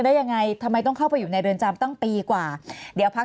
ได้ยังไงทำไมต้องเข้าไปอยู่ในเรือนจำตั้งปีกว่าเดี๋ยวพัก